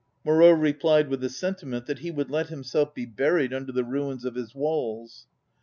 Moreau replied with the sen timent that he would let himself be buried under the ruins of his walls.